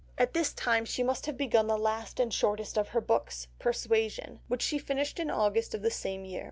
At this time she must have begun the last and shortest of her books, Persuasion, which she finished in August of the same year.